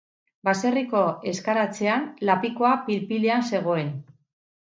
baserriko ezkaratzean lapikoa pil-pilean zegoen